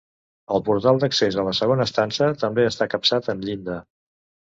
El portal d'accés a la segona estança també està capçat amb llinda.